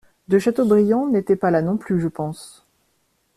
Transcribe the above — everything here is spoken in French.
De Châteaubriand n'était pas là non plus, je pense!